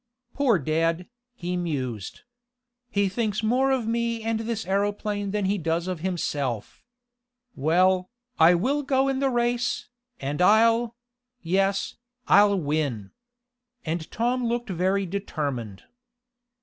"Poor dad," he mused. "He thinks more of me and this aeroplane than he does of himself. Well, I will go in the race, and I'll yes, I'll win!" And Tom looked very determined.